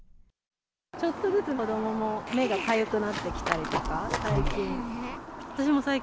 ちょっとずつ、子どもも目がかゆくなってきたりとか、最近。